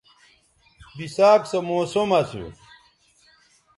بِساک سو موسم اسو